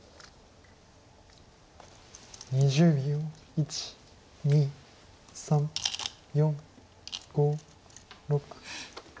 １２３４５６。